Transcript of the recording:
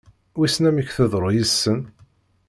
Wissen amek teḍru yid-sen?